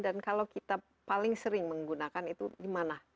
dan kalau kita paling sering menggunakan itu di mana